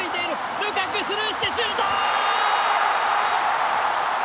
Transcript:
ルカクスルーしてシュート！